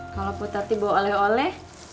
kalau bu tati bawa oleh oleh